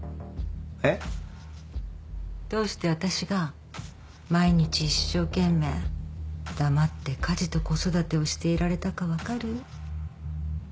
えっ？どうして私が毎日一生懸命黙って家事と子育てをしていられたか分かる？